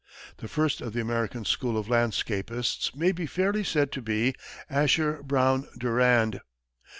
The first of the American school of landscapists may be fairly said to be Asher Brown Durand.